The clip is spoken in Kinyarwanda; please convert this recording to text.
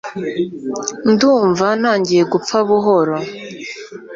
ndumva ntangiye gupfa buhoro